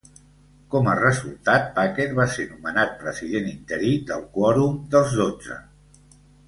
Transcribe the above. Com a resultat, Packer va ser nomenat president interí del quòrum dels dotze.